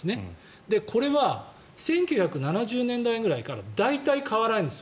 これは１９７０年代ぐらいから大体変わらないんです。